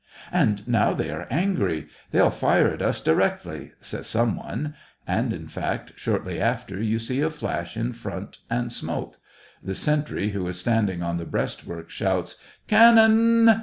" And now they are angry ; they'll fire at us directly," says some one ; and, in fact, shortly after you see a flash in front and smoke ; the sentry, who is standing on the breastwork, shouts " Can non